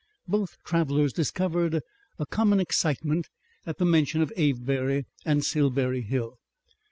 Both travellers discovered a common excitement at the mention of Avebury and Silbury Hill.